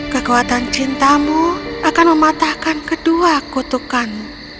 kekuatan cintamu akan mematahkan kedua kutukanmu